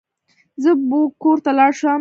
زه بو کور ته لوړ شم.